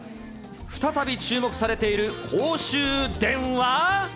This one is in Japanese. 再び注目されている公衆電話。